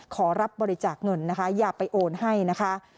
ขอรับบริจาคเงินนะคะอย่าไปโอนให้นะคะ